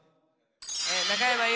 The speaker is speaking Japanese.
中山優